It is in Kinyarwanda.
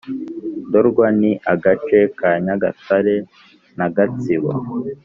Ndorwa Ni agace ka Nyagatare na Gatsibo